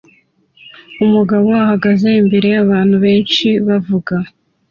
Umugabo uhagaze imbere yabantu benshi bavuga